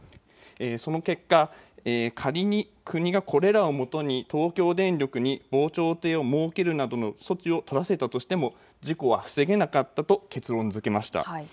その結果、仮に国がこれらをもとに東京電力に防潮堤を設けるなどの措置を取らせたとしても事故は防げなかったと結論づけました。